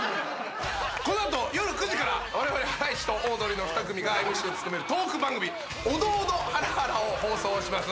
この後夜９時からわれわれハライチとオードリーの２組がＭＣを務めるトーク番組『オドオド×ハラハラ』を放送します。